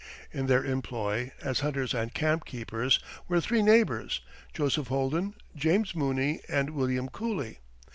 In their employ, as hunters and camp keepers, were three neighbors Joseph Holden, James Mooney, and William Cooley.